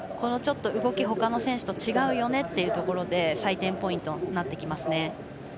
動きがほかの選手と違うよねというところで採点ポイントになってきますね。